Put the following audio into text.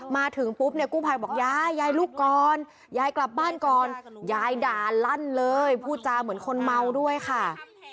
มาถึงปุ๊บเนี่ยกู้ภัยบอกยายยายลุกก่อนยายกลับบ้านก่อนยายด่าลั่นเลยพูดจาเหมือนคนเมาด้วยค่ะ